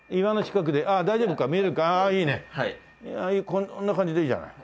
こんな感じでいいじゃない。